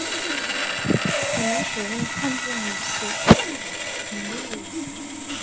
可能使用汉藏语系或南亚语系。